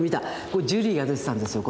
これジュリーが出てたんですよ